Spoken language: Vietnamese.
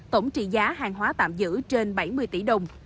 tổng trị giá hàng hóa tạm giữ trên bảy mươi tỷ đồng